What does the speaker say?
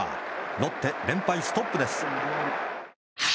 ロッテ、連敗ストップです。